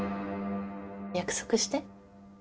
約束して。